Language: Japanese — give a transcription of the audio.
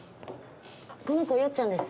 この子よっちゃんです。